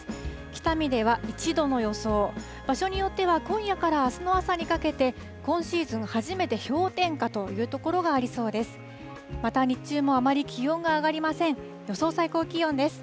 北見では１度の予想、場所によっては今夜からあすの朝にかけて、今シーズン初めて氷点下という所がありそうです。